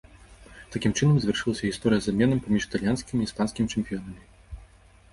Такім чынам, завяршылася гісторыя з абменам паміж італьянскім і іспанскім чэмпіёнамі.